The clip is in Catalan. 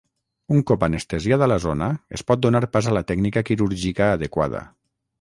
Un cop anestesiada la zona es pot donar pas a la tècnica quirúrgica adequada.